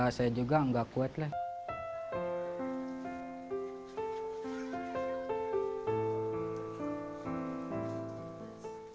kondisi sang ibu yang hanya bekerja sebagai pedagang minuman